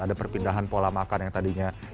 ada perpindahan pola makan yang tadinya